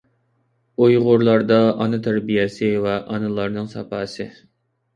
ئۇيغۇرلاردا ئانا تەربىيەسى ۋە ئانىلارنىڭ ساپاسى.